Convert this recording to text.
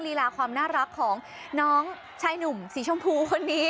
ลีลาความน่ารักของน้องชายหนุ่มสีชมพูคนนี้